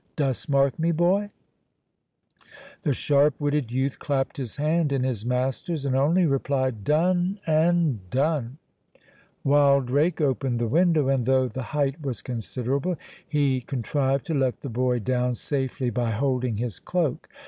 Dost mark me, boy?" The sharp witted youth clapped his hand in his master's, and only replied, "Done, and done." Wildrake opened the window, and, though the height was considerable, he contrived to let the boy down safely by holding his cloak.